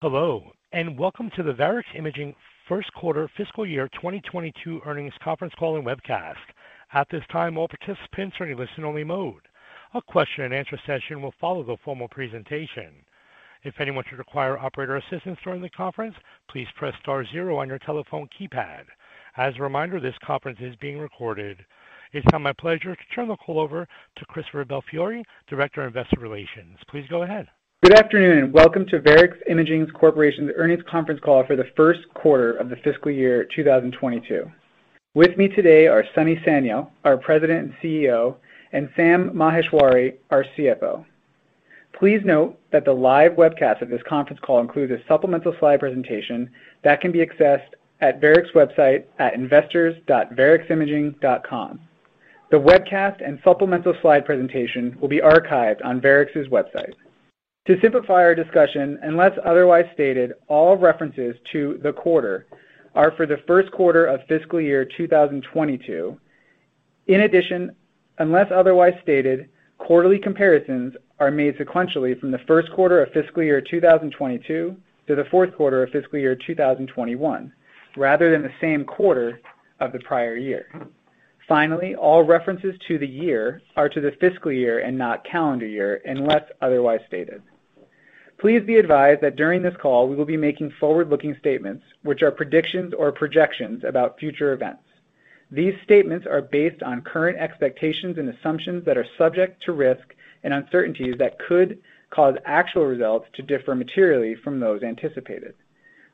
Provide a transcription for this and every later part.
Hello, and welcome to The Varex Imaging Q1 Fiscal Year 2022 Earnings Conference Call and Webcast. At this time, all participants are in listen-only mode. A question-and-answer session will follow the formal presentation. If anyone should require operator assistance during the conference, please press star zero on your telephone keypad. As a reminder, this conference is being recorded. It's now my pleasure to turn the call over to Christopher Belfiore, Director of Investor Relations. Please go ahead. Good afternoon, and welcome to Varex Imaging Corporation's Earnings Conference Call for The Q1 of The Fiscal Year 2022. With me today are Sunny Sanyal, our President and CEO, and Sam Maheshwari, our CFO. Please note that the live webcast of this conference call includes a supplemental slide presentation that can be accessed at Varex website at investors.vareximaging.com. The webcast and supplemental slide presentation will be archived on Varex's website. To simplify our discussion, unless otherwise stated, all references to the quarter are for the Q1 of fiscal year 2022. In addition, unless otherwise stated, quarterly comparisons are made sequentially from the Q1 of fiscal year 2022 to the Q4 of fiscal year 2021, rather than the same quarter of the prior year. Finally, all references to the year are to the fiscal year and not calendar year unless otherwise stated. Please be advised that during this call, we will be making forward-looking statements, which are predictions or projections about future events. These statements are based on current expectations and assumptions that are subject to risk and uncertainties that could cause actual results to differ materially from those anticipated.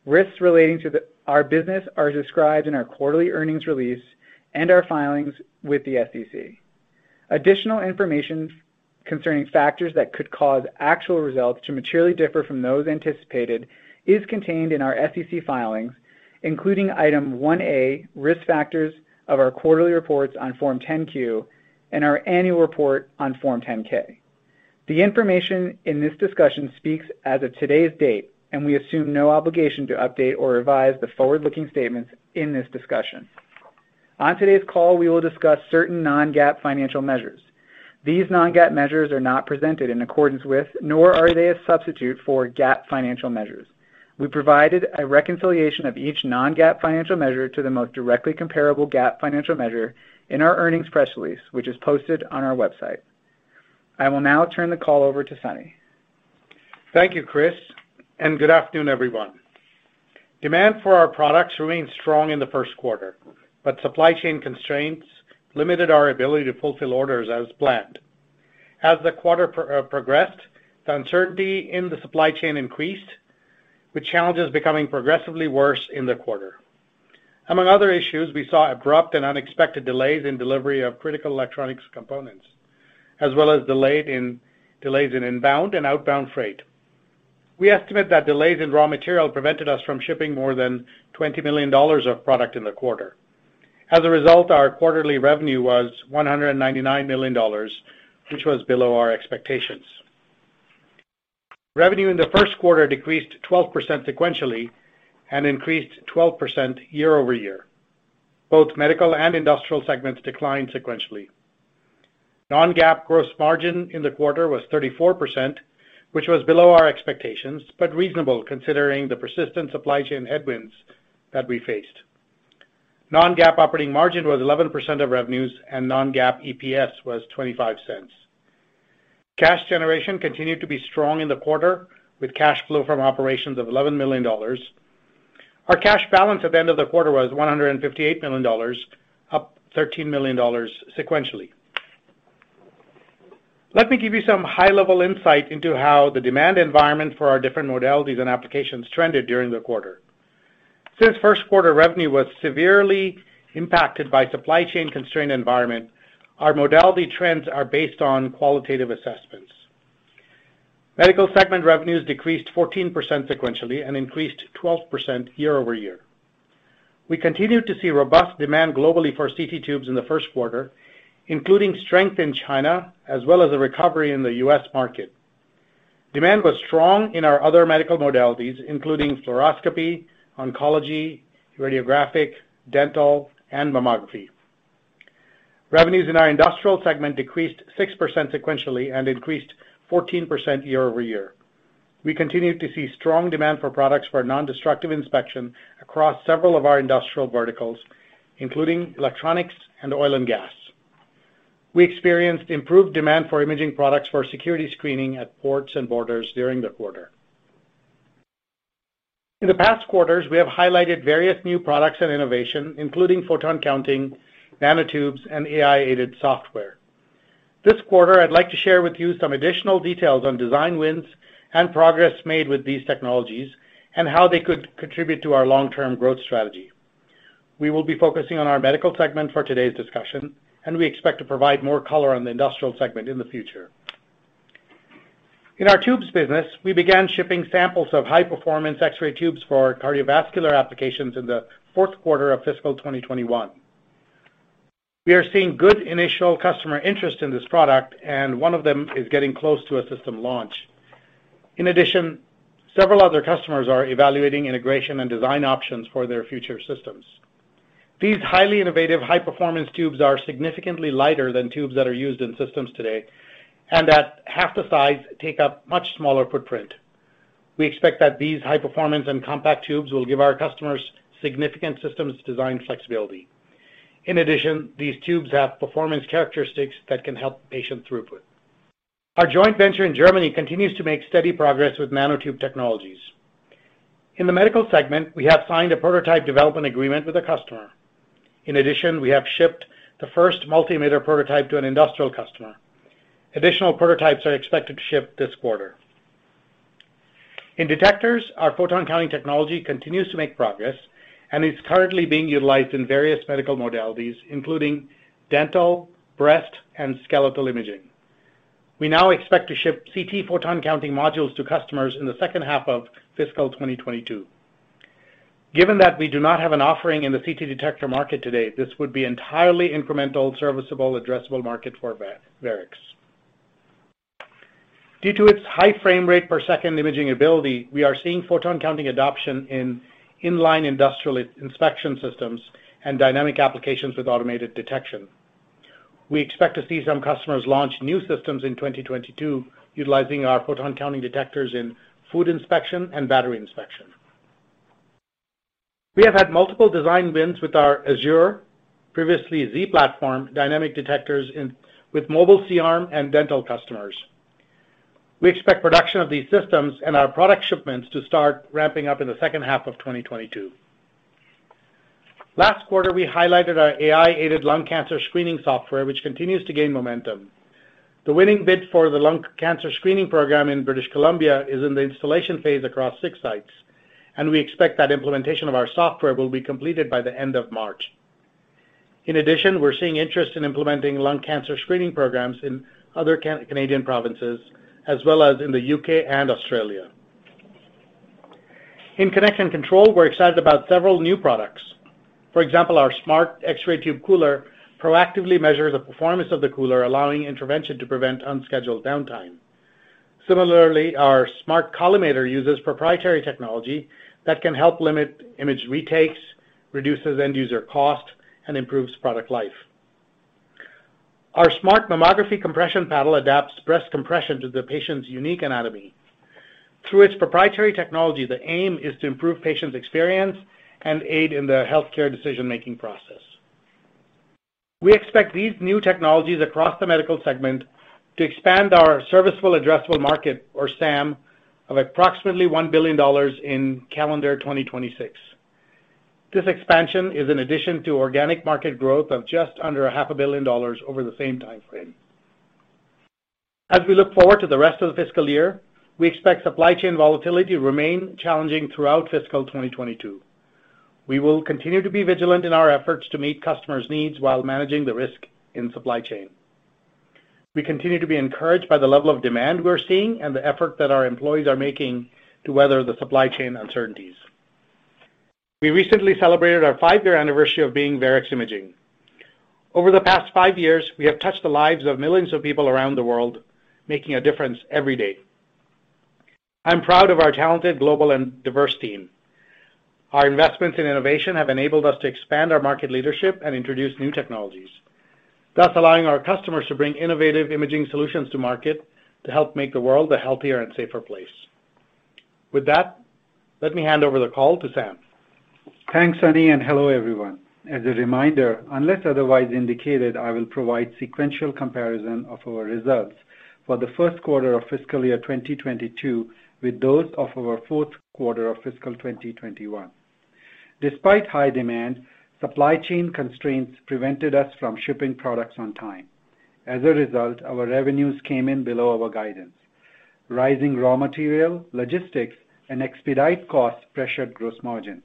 Risks relating to our business are described in our quarterly earnings release and our filings with the SEC. Additional information concerning factors that could cause actual results to materially differ from those anticipated is contained in our SEC filings, including Item 1A, Risk Factors of our quarterly reports on Form 10-Q and our annual report on Form 10-K. The information in this discussion speaks as of today's date, and we assume no obligation to update or revise the forward-looking statements in this discussion. On today's call, we will discuss certain non-GAAP financial measures. These non-GAAP measures are not presented in accordance with, nor are they a substitute for GAAP financial measures. We provided a reconciliation of each non-GAAP financial measure to the most directly comparable GAAP financial measure in our earnings press release, which is posted on our website. I will now turn the call over to Sunny. Thank you, Chris, and good afternoon, everyone. Demand for our products remained strong in the Q1, but supply chain constraints limited our ability to fulfill orders as planned. As the quarter progressed, the uncertainty in the supply chain increased, with challenges becoming progressively worse in the quarter. Among other issues, we saw abrupt and unexpected delays in delivery of critical electronics components, as well as delays in inbound and outbound freight. We estimate that delays in raw material prevented us from shipping more than $20 million of product in the quarter. As a result, our quarterly revenue was $199 million, which was below our expectations. Revenue in the Q1 decreased 12% sequentially and increased 12% year over year. Both Medical and Industrial segments declined sequentially. Non-GAAP gross margin in the quarter was 34%, which was below our expectations, but reasonable considering the persistent supply chain headwinds that we faced. Non-GAAP operating margin was 11% of revenues, and non-GAAP EPS was $0.25. Cash generation continued to be strong in the quarter with cash flow from operations of $11 million. Our cash balance at the end of the quarter was $158 million, up $13 million sequentially. Let me give you some high-level insight into how the demand environment for our different modalities and applications trended during the quarter. Since Q1 revenue was severely impacted by supply chain constrained environment, our modality trends are based on qualitative assessments. Medical segment revenues decreased 14% sequentially and increased 12% year-over-year. We continued to see robust demand globally for CT tubes in the Q1, including strength in China as well as a recovery in the U.S. market. Demand was strong in our other medical modalities, including fluoroscopy, oncology, radiographic, dental, and mammography. Revenues in our industrial segment decreased 6% sequentially and increased 14% year-over-year. We continued to see strong demand for products for our non-destructive inspection across several of our industrial verticals, including electronics and oil and gas. We experienced improved demand for imaging products for security screening at ports and borders during the quarter. In the past quarters, we have highlighted various new products and innovation, including photon counting, nanotubes, and AI-aided software. This quarter, I'd like to share with you some additional details on design wins and progress made with these technologies and how they could contribute to our long-term growth strategy. We will be focusing on our medical segment for today's discussion, and we expect to provide more color on the industrial segment in the future. In our tubes business, we began shipping samples of high-performance X-ray tubes for cardiovascular applications in the Q4 of fiscal 2021. We are seeing good initial customer interest in this product, and one of them is getting close to a system launch. In addition, several other customers are evaluating integration and design options for their future systems. These highly innovative, high performance tubes are significantly lighter than tubes that are used in systems today, and at half the size, take up much smaller footprint. We expect that these high performance and compact tubes will give our customers significant systems design flexibility. In addition, these tubes have performance characteristics that can help patient throughput. Our joint venture in Germany continues to make steady progress with nanotube technologies. In the medical segment, we have signed a prototype development agreement with a customer. In addition, we have shipped the first multi-meter prototype to an industrial customer. Additional prototypes are expected to ship this quarter. In detectors, our photon counting technology continues to make progress and is currently being utilized in various medical modalities, including dental, breast, and skeletal imaging. We now expect to ship CT photon counting modules to customers in the H2 of fiscal 2022. Given that we do not have an offering in the CT detector market today, this would be entirely incremental serviceable addressable market for Varex. Due to its high frame rate per second imaging ability, we are seeing photon counting adoption in-line industrial inspection systems and dynamic applications with automated detection. We expect to see some customers launch new systems in 2022 utilizing our photon counting detectors in food inspection and battery inspection. We have had multiple design wins with our Azure, previously Z Platform, dynamic detectors with mobile C-arm and dental customers. We expect production of these systems and our product shipments to start ramping up in the H2 of 2022. Last quarter, we highlighted our AI-aided lung cancer screening software, which continues to gain momentum. The winning bid for the lung cancer screening program in British Columbia is in the installation phase across six sites, and we expect that implementation of our software will be completed by the end of March. In addition, we're seeing interest in implementing lung cancer screening programs in other Canadian provinces, as well as in the U.K. and Australia. In connection control, we're excited about several new products. For example, our smart X-ray tube cooler proactively measures the performance of the cooler, allowing intervention to prevent unscheduled downtime. Similarly, our smart collimator uses proprietary technology that can help limit image retakes, reduces end user cost, and improves product life. Our smart mammography compression paddle adapts breast compression to the patient's unique anatomy. Through its proprietary technology, the aim is to improve patients' experience and aid in the healthcare decision-making process. We expect these new technologies across the medical segment to expand our serviceable addressable market, or SAM, of approximately $1 billion in calendar 2026. This expansion is an addition to organic market growth of just under $0.5 billion over the same time frame. As we look forward to the rest of the fiscal year, we expect supply chain volatility to remain challenging throughout fiscal 2022. We will continue to be vigilant in our efforts to meet customers' needs while managing the risk in supply chain. We continue to be encouraged by the level of demand we're seeing and the effort that our employees are making to weather the supply chain uncertainties. We recently celebrated our five-year anniversary of being Varex Imaging. Over the past five years, we have touched the lives of millions of people around the world, making a difference every day. I'm proud of our talented, global, and diverse team. Our investments in innovation have enabled us to expand our market leadership and introduce new technologies, thus allowing our customers to bring innovative imaging solutions to market to help make the world a healthier and safer place. With that, let me hand over the call to Sam. Thanks, Sunny, and hello, everyone. As a reminder, unless otherwise indicated, I will provide sequential comparison of our results for the Q1 of fiscal year 2022 with those of our Q4 of fiscal 2021. Despite high demand, supply chain constraints prevented us from shipping products on time. As a result, our revenues came in below our guidance. Rising raw material, logistics, and expedite costs pressured gross margin.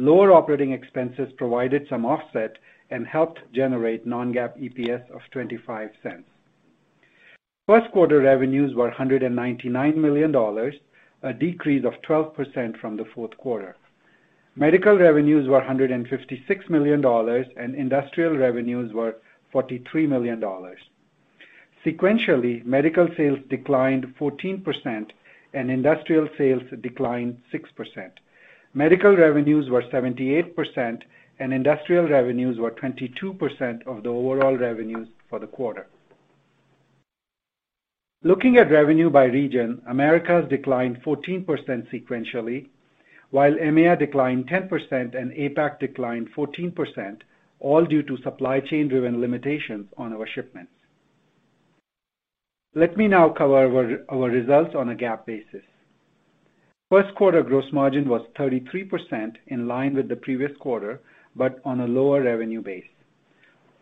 Lower operating expenses provided some offset and helped generate non-GAAP EPS of $0.25. Q1 revenues were $199 million, a decrease of 12% from the Q4. Medical revenues were $156 million, and industrial revenues were $43 million. Sequentially, medical sales declined 14%, and industrial sales declined 6%. Medical revenues were 78%, and industrial revenues were 22% of the overall revenues for the quarter. Looking at revenue by region, Americas declined 14% sequentially, while EMEA declined 10% and APAC declined 14%, all due to supply chain-driven limitations on our shipments. Let me now cover our results on a GAAP basis. Q1 gross margin was 33%, in line with the previous quarter, but on a lower revenue base.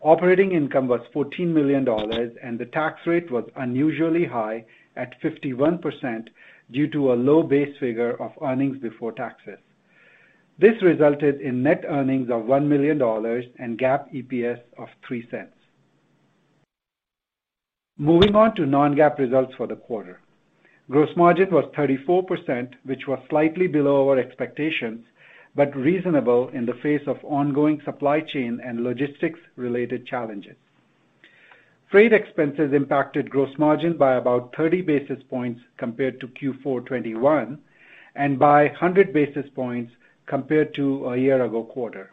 Operating income was $14 million, and the tax rate was unusually high at 51% due to a low base figure of earnings before taxes. This resulted in net earnings of $1 million and GAAP EPS of $0.03. Moving on to non-GAAP results for the quarter. Gross margin was 34%, which was slightly below our expectations, but reasonable in the face of ongoing supply chain and logistics-related challenges. Freight expenses impacted gross margin by about 30 basis points compared to Q4 2021, and by 100 basis points compared to a year ago quarter.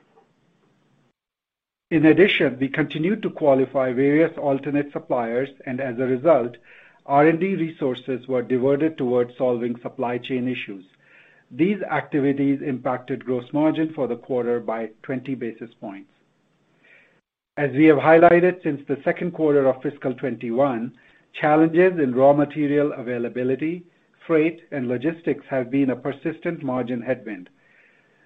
In addition, we continued to qualify various alternate suppliers, and as a result, R&D resources were diverted towards solving supply chain issues. These activities impacted gross margin for the quarter by 20 basis points. As we have highlighted since the Q2 of fiscal 2021, challenges in raw material availability, freight, and logistics have been a persistent margin headwind.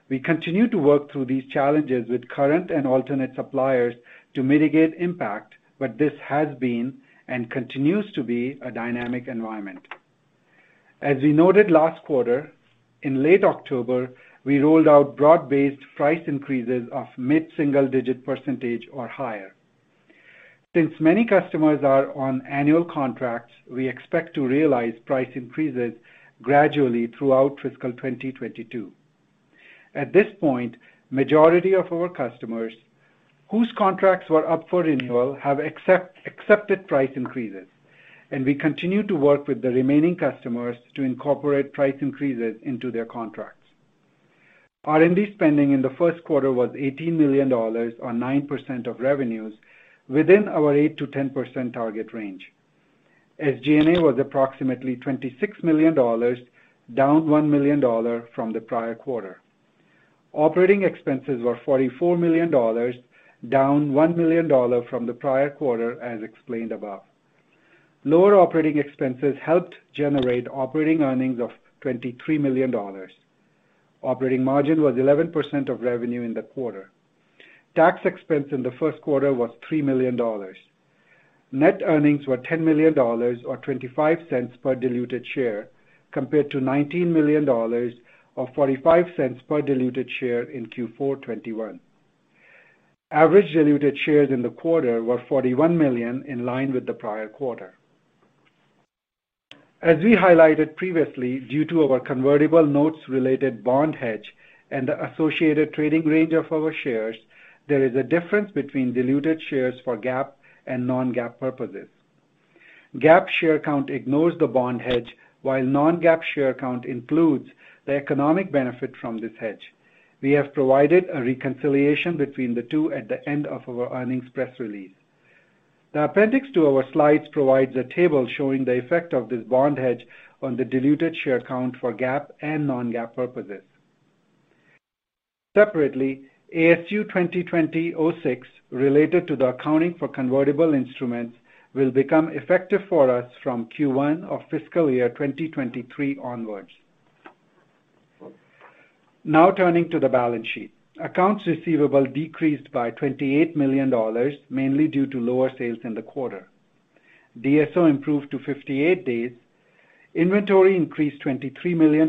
We continue to work through these challenges with current and alternate suppliers to mitigate impact, but this has been and continues to be a dynamic environment. As we noted last quarter, in late October, we rolled out broad-based price increases of mid-single digit percentage or higher. Since many customers are on annual contracts, we expect to realize price increases gradually throughout fiscal 2022. At this point, majority of our customers whose contracts were up for renewal have accepted price increases, and we continue to work with the remaining customers to incorporate price increases into their contracts. R&D spending in the Q1 was $18 million or 9% of revenues within our 8% to 10% target range. SG&A was approximately $26 million, down $1 million from the prior quarter. Operating expenses were $44 million, down $1 million from the prior quarter, as explained above. Lower operating expenses helped generate operating earnings of $23 million. Operating margin was 11% of revenue in the quarter. Tax expense in the Q1 was $3 million. Net earnings were $10 million or $0.25 per diluted share compared to $19 million or $0.45 per diluted share in Q4 2021. Average diluted shares in the quarter were 41 million in line with the prior quarter. As we highlighted previously, due to our convertible notes related bond hedge and the associated trading range of our shares, there is a difference between diluted shares for GAAP and non-GAAP purposes. GAAP share count ignores the bond hedge, while non-GAAP share count includes the economic benefit from this hedge. We have provided a reconciliation between the two at the end of our earnings press release. The appendix to our slides provides a table showing the effect of this bond hedge on the diluted share count for GAAP and non-GAAP purposes. Separately, ASU 2020-06 related to the accounting for convertible instruments will become effective for us from Q1 of fiscal year 2023 onwards. Now, turning to the balance sheet. Accounts receivable decreased by $28 million, mainly due to lower sales in the quarter. DSO improved to 58 days. Inventory increased $23 million,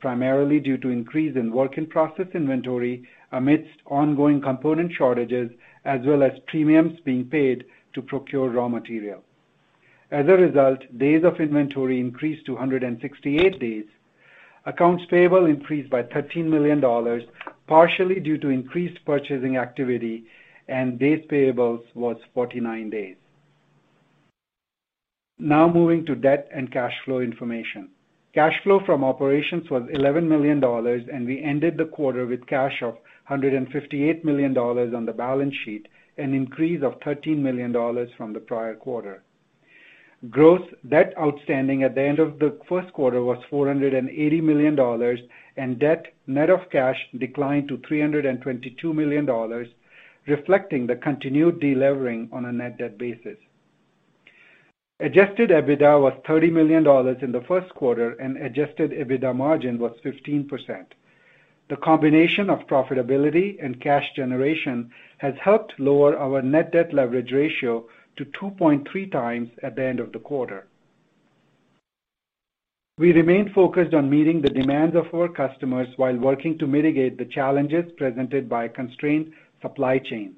primarily due to increase in work in process inventory amidst ongoing component shortages as well as premiums being paid to procure raw material. As a result, days of inventory increased to 168 days. Accounts payable increased by $13 million, partially due to increased purchasing activity, and days payable was 49 days. Now moving to debt and cash flow information. Cash flow from operations was $11 million, and we ended the quarter with cash of $158 million on the balance sheet, an increase of $13 million from the prior quarter. Gross debt outstanding at the end of the Q1 was $480 million, and debt net of cash declined to $322 million, reflecting the continued de-levering on a net debt basis. Adjusted EBITDA was $30 million in the Q1, and adjusted EBITDA margin was 15%. The combination of profitability and cash generation has helped lower our net debt leverage ratio to 2.3x at the end of the quarter. We remain focused on meeting the demands of our customers while working to mitigate the challenges presented by a constrained supply chain.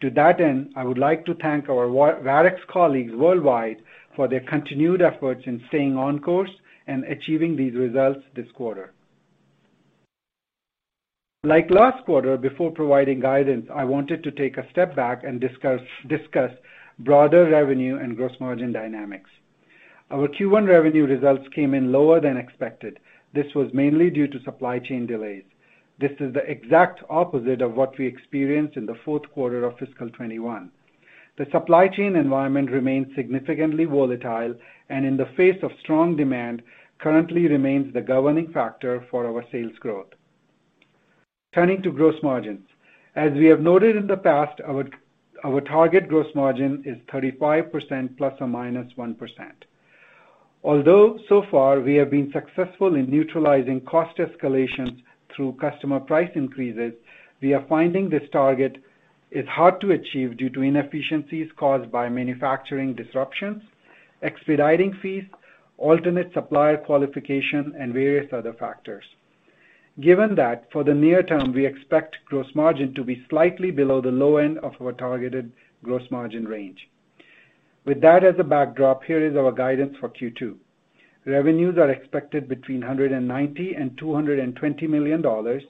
To that end, I would like to thank our Varex colleagues worldwide for their continued efforts in staying on course and achieving these results this quarter. Like last quarter, before providing guidance, I wanted to take a step back and discuss broader revenue and gross margin dynamics. Our Q1 revenue results came in lower than expected. This was mainly due to supply chain delays. This is the exact opposite of what we experienced in the Q4 of fiscal 2021. The supply chain environment remains significantly volatile, and in the face of strong demand, currently remains the governing factor for our sales growth. Turning to gross margins. As we have noted in the past, our target gross margin is 35%, ±1%. Although so far we have been successful in neutralizing cost escalations through customer price increases, we are finding this target is hard to achieve due to inefficiencies caused by manufacturing disruptions, expediting fees, alternate supplier qualification, and various other factors. Given that, for the near term, we expect gross margin to be slightly below the low end of our targeted gross margin range. With that as a backdrop, here is our guidance for Q2. Revenues are expected between $190 million and $220 million,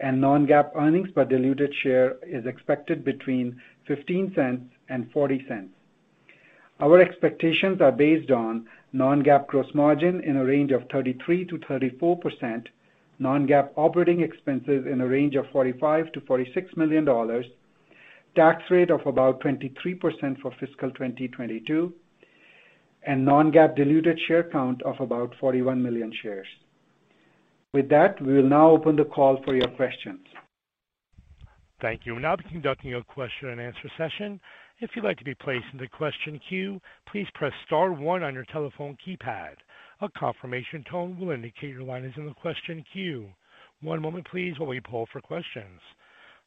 and non-GAAP earnings per diluted share is expected between $0.15 and $0.40. Our expectations are based on non-GAAP gross margin in a range of 33% to 34%, non-GAAP operating expenses in a range of $45 million to 46 million, tax rate of about 23% for fiscal 2022, and non-GAAP diluted share count of about 41 million shares. With that, we will now open the call for your questions. Thank you. We'll now be conducting a question and answer session. If you'd like to be placed in the question queue, please press star one on your telephone keypad. A confirmation tone will indicate your line is in the question queue. One moment please while we poll for questions.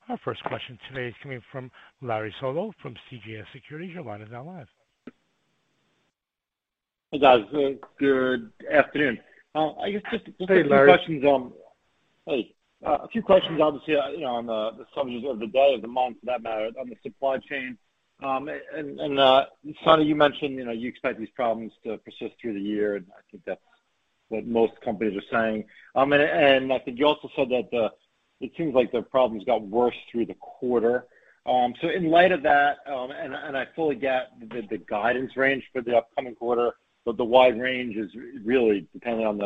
Our first question today is coming from Larry Solow from CJS Securities. Your line is now live. Hey, guys. Good afternoon. Hey, Larry. A few questions, obviously, you know, on the subjects of the day, of the month, for that matter, on the supply chain. Sunny, you mentioned, you know, you expect these problems to persist through the year, and I think that's what most companies are saying. I think you also said that it seems like the problems got worse through the quarter. In light of that, I fully get the guidance range for the upcoming quarter, but the wide range is really dependent on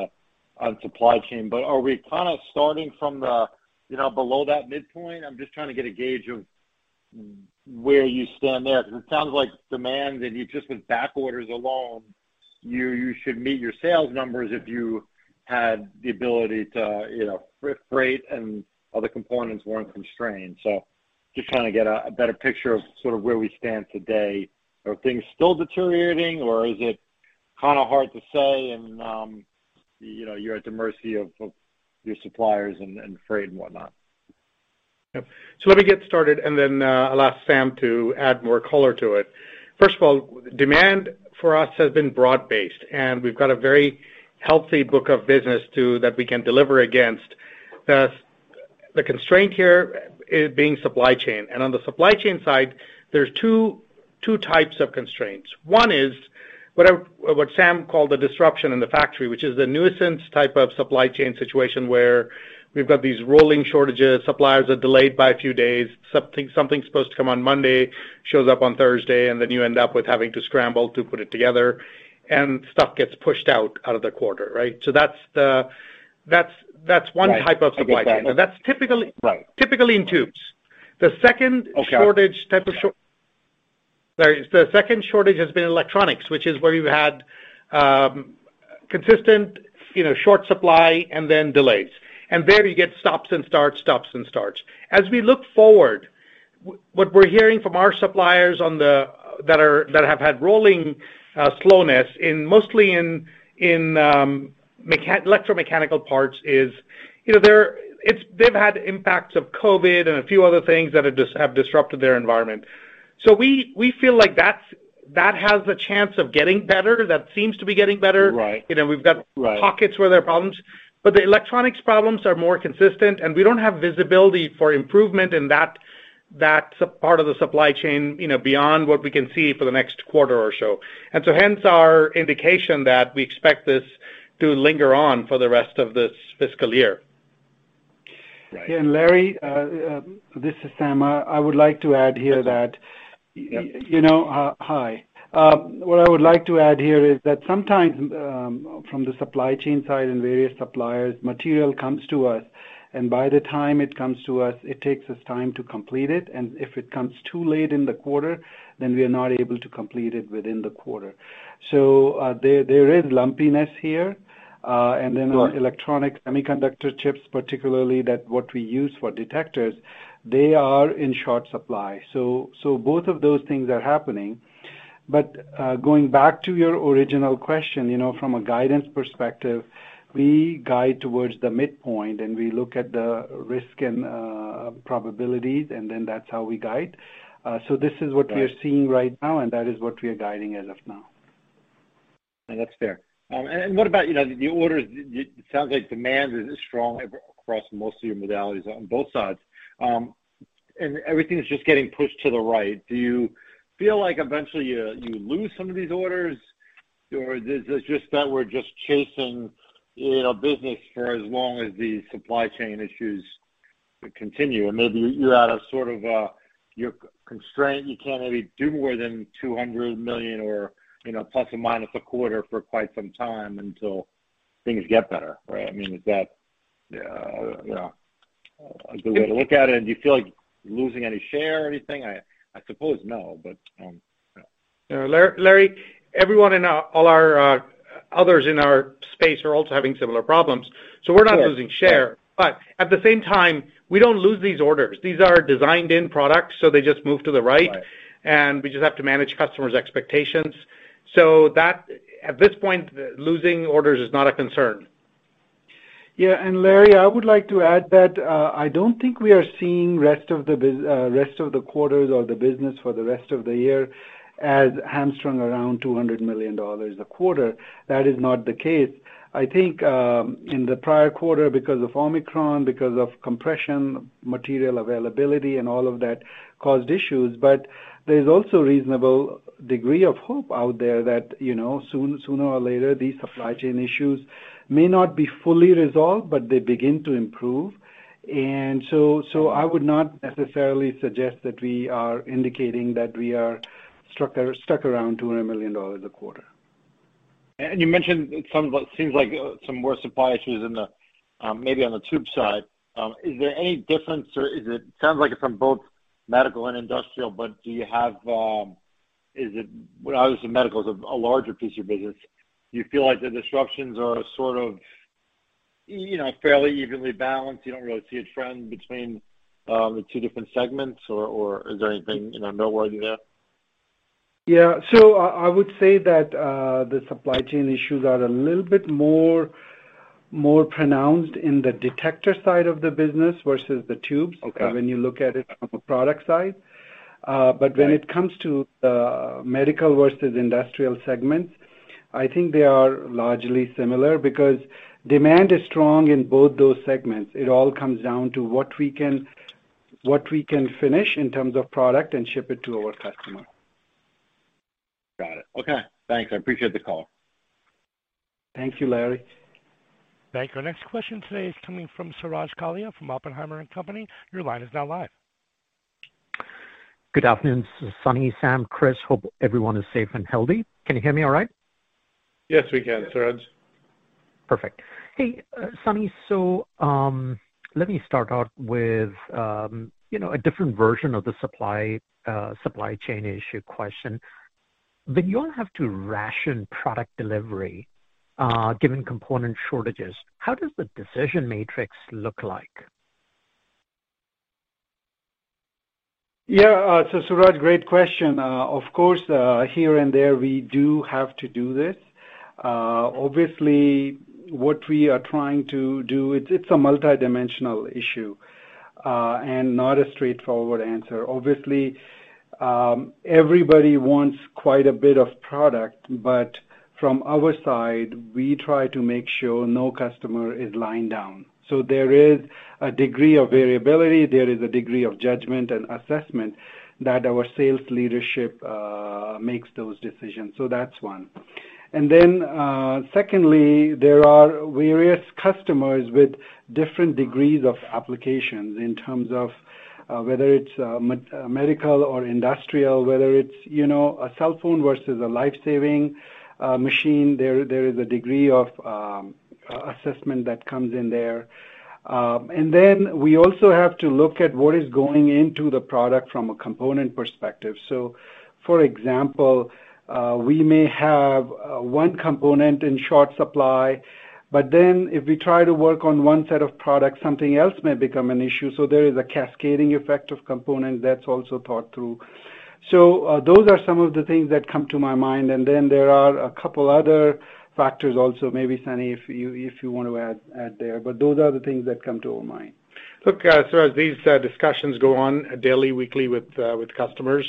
the supply chain. Are we kind of starting from the, you know, below that midpoint? I'm just trying to get a gauge of where you stand there because it sounds like demand, and just the backorders alone, you should meet your sales numbers if you had the ability to, you know, freight and other components weren't constrained. Just trying to get a better picture of sort of where we stand today. Are things still deteriorating, or is it kind of hard to say, and you know, you're at the mercy of your suppliers and freight and whatnot? Let me get started, then I'll ask Sam to add more color to it. First of all, demand for us has been broad-based, and we've got a very healthy book of business too that we can deliver against. The constraint here being supply chain. On the supply chain side, there's two types of constraints. One is what Sam called the disruption in the factory, which is the nuisance type of supply chain situation where we've got these rolling shortages, suppliers are delayed by a few days. Something supposed to come on Monday, shows up on Thursday, and then you end up with having to scramble to put it together, and stuff gets pushed out of the quarter, right? That's one type of supply chain. Right. That's typically. Right. Typically in tubes. Okay. The second shortage has been electronics, which is where you had consistent, you know, short supply and then delays. There you get stops and starts. As we look forward, what we're hearing from our suppliers that have had rolling slowness mostly in electromechanical parts is, you know, they've had impacts of COVID and a few other things that have disrupted their environment. We feel like that has a chance of getting better. That seems to be getting better. Right. You know, we've got. Right. Pockets where there are problems. The electronics problems are more consistent, and we don't have visibility for improvement in that part of the supply chain, you know, beyond what we can see for the next quarter or so. Hence our indication that we expect this to linger on for the rest of this fiscal year. Right. Larry, this is Sam. I would like to add here that. Yep. You know, hi. What I would like to add here is that sometimes, from the supply chain side and various suppliers, material comes to us, and by the time it comes to us, it takes us time to complete it. If it comes too late in the quarter, then we are not able to complete it within the quarter. There is lumpiness here, and then. Right. electronic semiconductor chips, particularly that what we use for detectors, they are in short supply. Both of those things are happening. But going back to your original question, you know, from a guidance perspective, we guide towards the midpoint, and we look at the risk and probabilities, and then that's how we guide. This is what. Right. We are seeing right now, and that is what we are guiding as of now. No, that's fair. What about, you know, the orders? It sounds like demand is strong across most of your modalities on both sides. Everything's just getting pushed to the right. Do you feel like eventually you lose some of these orders, or is it just that we're just chasing, you know, business for as long as these supply chain issues continue? Maybe you're at a sort of a, you're constrained, you can't really do more than $200 million or, you know, plus or minus a quarter for quite some time until things get better, right? I mean, is that? Yeah. The way to look at it? Do you feel like you're losing any share or anything? I suppose no, but. Larry, all our others in our space are also having similar problems. Sure. We're not losing share. At the same time, we don't lose these orders. These are designed in products, so they just move to the right. Right. We just have to manage customers' expectations. At this point, losing orders is not a concern. Yeah. Larry, I would like to add that I don't think we are seeing rest of the quarters or the business for the rest of the year as hamstrung around $200 million a quarter. That is not the case. I think in the prior quarter, because of Omicron, because of compression, material availability and all of that caused issues. There's also reasonable degree of hope out there that, you know, soon, sooner or later, these supply chain issues may not be fully resolved, but they begin to improve. I would not necessarily suggest that we are indicating that we are stuck around $200 million a quarter. You mentioned it sounds like seems like some more supply issues in the maybe on the tube side. Is there any difference? Sounds like it's on both medical and industrial, but, well, obviously, medical is a larger piece of your business. Do you feel like the disruptions are sort of, you know, fairly evenly balanced? You don't really see a trend between the two different segments or is there anything, you know, noteworthy there? Yeah. I would say that the supply chain issues are a little bit more pronounced in the detector side of the business versus the tubes. Okay. When you look at it from a product side. Right. When it comes to, medical versus industrial segments, I think they are largely similar because demand is strong in both those segments. It all comes down to what we can finish in terms of product and ship it to our customer. Got it. Okay. Thanks. I appreciate the call. Thank you, Larry. Thank you. Our next question today is coming from Suraj Kalia from Oppenheimer & Co. Inc. Your line is now live. Good afternoon, Sunny, Sam, Chris. Hope everyone is safe and healthy. Can you hear me all right? Yes, we can, Suraj. Perfect. Hey, Sunny. Let me start out with, you know, a different version of the supply chain issue question. When you all have to ration product delivery, given component shortages, how does the decision matrix look like? Yeah. Suraj, great question. Of course, here and there, we do have to do this. Obviously, what we are trying to do, it's a multidimensional issue, and not a straightforward answer. Obviously, everybody wants quite a bit of product, but from our side, we try to make sure no customer is lying down. There is a degree of variability, there is a degree of judgment and assessment that our sales leadership makes those decisions. That's one. Secondly, there are various customers with different degrees of applications in terms of whether it's medical or industrial, whether it's, you know, a cell phone versus a life-saving machine. There is a degree of assessment that comes in there. We also have to look at what is going into the product from a component perspective. For example, we may have one component in short supply, but then if we try to work on one set of products, something else may become an issue. There is a cascading effect of components that's also thought through. Those are some of the things that come to my mind. There are a couple other factors also, maybe, Sunny, if you want to add there, but those are the things that come to our mind. Look, Suraj, these discussions go on daily, weekly with customers.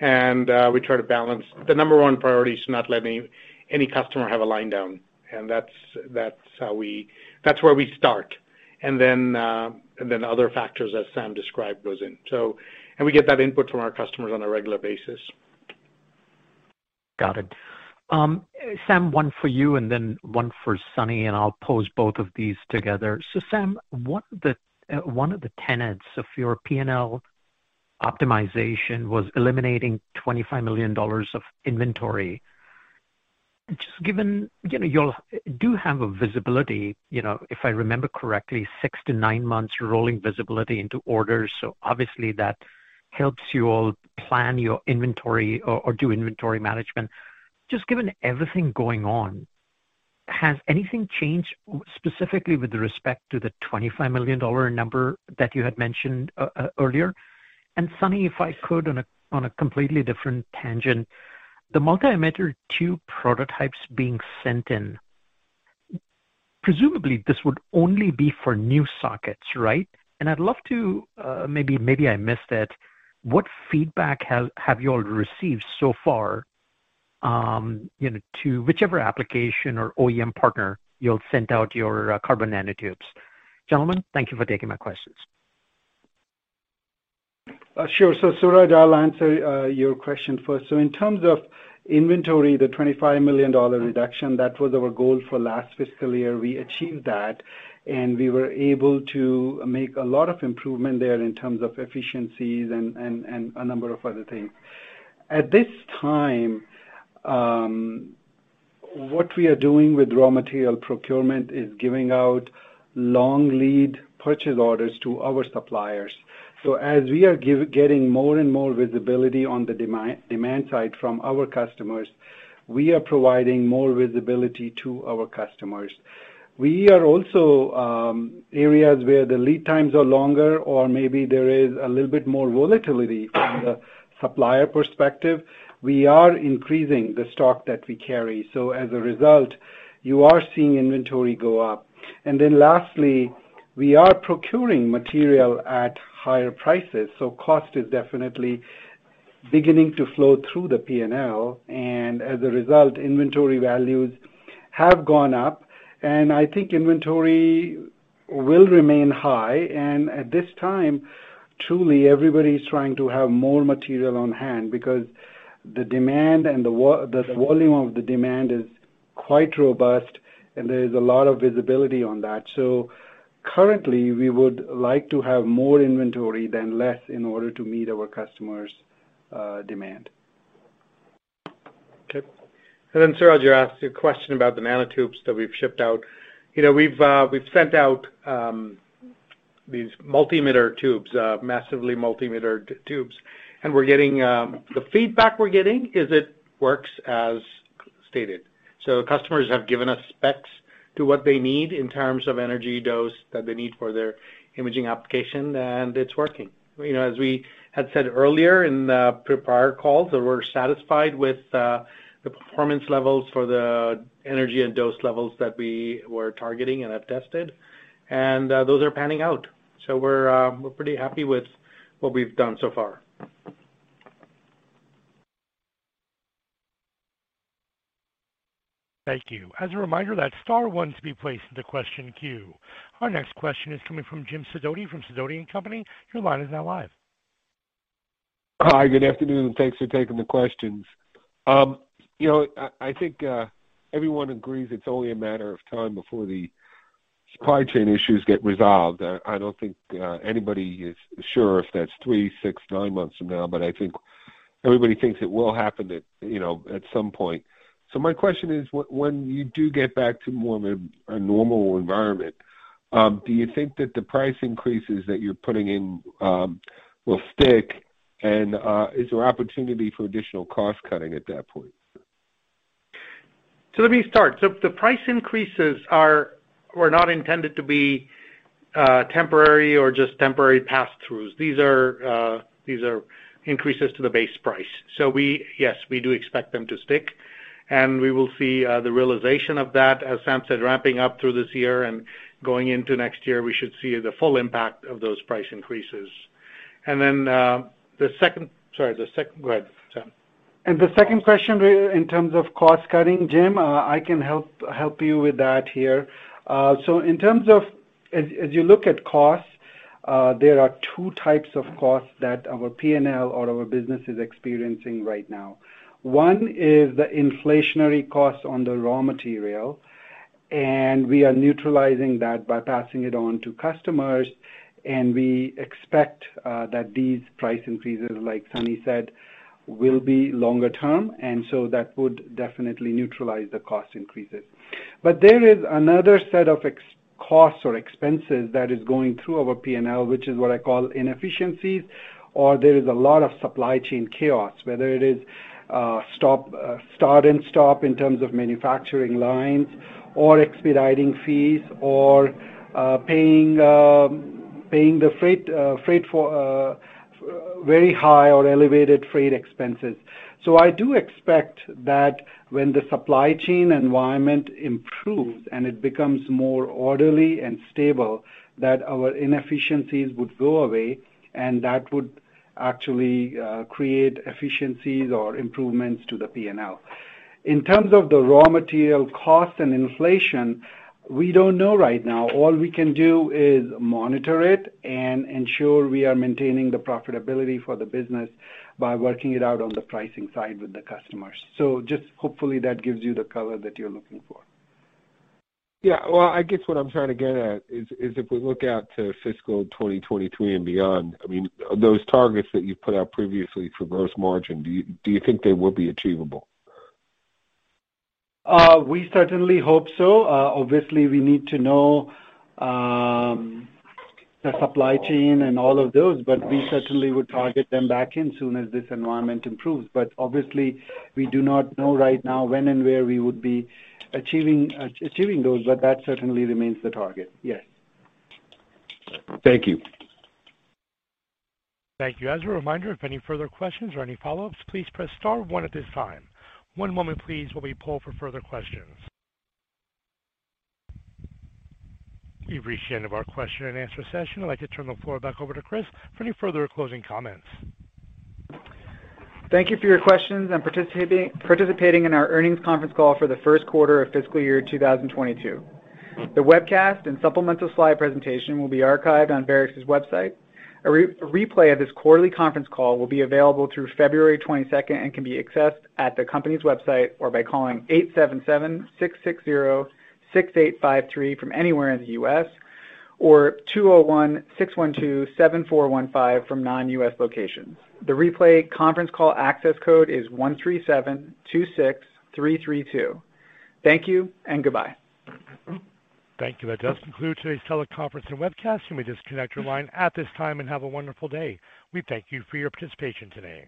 We try to balance. The number one priority is to not let any customer have a line down. That's where we start. Then other factors, as Sam described, goes in. We get that input from our customers on a regular basis. Got it. Sam, one for you and then one for Sunny, and I'll pose both of these together. Sam, one of the tenets of your P&L optimization was eliminating $25 million of inventory. Just given, you know, y'all do have a visibility, you know, if I remember correctly, six to nine months rolling visibility into orders. Obviously that helps you all plan your inventory or do inventory management. Just given everything going on, has anything changed specifically with respect to the $25 million number that you had mentioned earlier? Sunny, if I could, on a completely different tangent, the multi-emitter tube prototypes being sent in, presumably this would only be for new sockets, right? I'd love to, maybe I missed it, what feedback have you all received so far, to whichever application or OEM partner you all sent out your carbon nanotubes? Gentlemen, thank you for taking my questions. Sure. Suraj, I'll answer your question first. In terms of inventory, the $25 million reduction, that was our goal for last fiscal year. We achieved that, and we were able to make a lot of improvement there in terms of efficiencies and a number of other things. At this time, what we are doing with raw material procurement is giving out long lead purchase orders to our suppliers. As we are getting more and more visibility on the demand side from our customers, we are providing more visibility to our customers. We are also areas where the lead times are longer or maybe there is a little bit more volatility from the supplier perspective, we are increasing the stock that we carry. As a result, you are seeing inventory go up. Then lastly, we are procuring material at higher prices, so cost is definitely beginning to flow through the P&L, and as a result, inventory values have gone up. I think inventory will remain high, and at this time, truly, everybody is trying to have more material on hand because the demand and the volume of the demand is quite robust, and there is a lot of visibility on that. Currently, we would like to have more inventory than less in order to meet our customers demand. Okay. Suraj, you asked a question about the nanotubes that we've shipped out. You know, we've sent out these multi-emitter tubes, massively multi-emitter tubes, and we're getting the feedback we're getting is it works as stated. Customers have given us specs to what they need in terms of energy dose that they need for their imaging application, and it's working. You know, as we had said earlier in prior calls that we're satisfied with the performance levels for the energy and dose levels that we were targeting and have tested, and those are panning out. We're pretty happy with what we've done so far. Thank you. As a reminder, that's star one to be placed in the question queue. Our next question is coming from James Sidoti from Sidoti & Company. Your line is now live. Hi, good afternoon, and thanks for taking the questions. You know, I think everyone agrees it's only a matter of time before the supply chain issues get resolved. I don't think anybody is sure if that's three, six and nine months from now, but I think everybody thinks it will happen at, you know, at some point. My question is, when you do get back to more of a normal environment, do you think that the price increases that you're putting in will stick? And is there opportunity for additional cost cutting at that point? Let me start. The price increases are not intended to be temporary or just temporary pass-throughs. These are increases to the base price. Yes, we do expect them to stick, and we will see the realization of that, as Sam said, ramping up through this year and going into next year. We should see the full impact of those price increases. Then, the second. Sorry. Go ahead, Sam. The second question, in terms of cost cutting, Jim, I can help you with that here. In terms of, as you look at costs, there are two types of costs that our P&L or our business is experiencing right now. One is the inflationary costs on the raw material, and we are neutralizing that by passing it on to customers, and we expect that these price increases, like Sunny said, will be longer term, and so that would definitely neutralize the cost increases. There is another set of costs or expenses that is going through our P&L, which is what I call inefficiencies or there is a lot of supply chain chaos, whether it is stop, start and stop in terms of manufacturing lines or expediting fees or paying the freight for very high or elevated freight expenses. I do expect that when the supply chain environment improves and it becomes more orderly and stable, that our inefficiencies would go away and that would actually create efficiencies or improvements to the P&L. In terms of the raw material costs and inflation, we don't know right now. All we can do is monitor it and ensure we are maintaining the profitability for the business by working it out on the pricing side with the customers. Just hopefully that gives you the color that you're looking for. Yeah. Well, I guess what I'm trying to get at is if we look out to fiscal 2023 and beyond, I mean, those targets that you've put out previously for gross margin, do you think they will be achievable? We certainly hope so. Obviously we need to know the supply chain and all of those, but we certainly would target to bring them back in as soon as this environment improves. Obviously we do not know right now when and where we would be achieving those, but that certainly remains the target. Yes. Thank you. Thank you. As a reminder, if any further questions or any follow-ups, please press star one at this time. One moment, please, while we poll for further questions. We've reached the end of our question and answer session. I'd like to turn the floor back over to Chris for any further closing comments. Thank you for your questions and participating in our Earnings Conference Call for The Q1 of Fiscal Year 2022. The webcast and supplemental slide presentation will be archived on Varex's website. A replay of this quarterly conference call will be available through February 22 and can be accessed at the company's website or by calling 877-660-6853 from anywhere in the U.S. or 201-612-7415 from non-U.S. locations. The replay conference call access code is 13726332. Thank you and goodbye. Thank you. That does conclude today's teleconference and webcast. You may disconnect your line at this time and have a wonderful day. We thank you for your participation today.